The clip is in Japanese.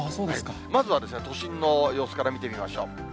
まずは都心の様子から見てみましょう。